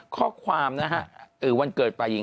ข้อความนะฮะวันเกิดฝ่ายหญิง